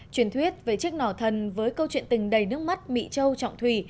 truyền thuyết về chiếc nỏ thần với câu chuyện tình đầy nước mắt mỹ châu trọng thủy